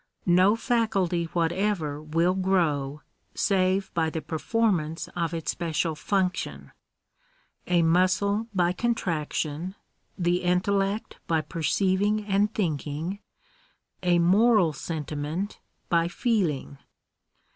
No faculty whatever will grow, save by the performance of its special function — a muscle by contraction ; the intellect by { perceiving and thinking ; a moral sentiment by feeling.